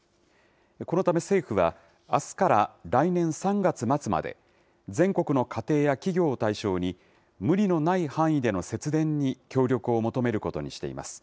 このため政府は、あすから来年３月末まで、全国の家庭や企業を対象に、無理のない範囲での節電に協力を求めることにしています。